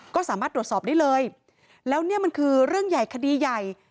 ก็สามารถตรวจสอบได้เลยแล้วเนี่ยมันคือเรื่องใหญ่คดีใหญ่